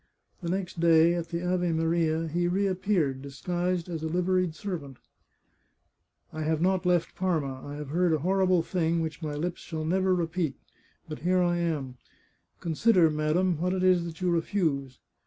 The next day, at the Ave Maria, he reappeared, disguised as a liveried servant. " I have not left Parma. I have heard a horrible thing which my lips shall never repeat — ^but here I am. Consider, madam, what it is that you refuse